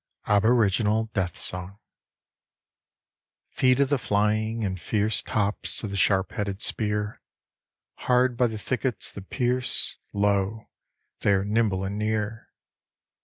Aboriginal Death Song Feet of the flying, and fierce Tops of the sharp headed spear, Hard by the thickets that pierce, Lo! they are nimble and near.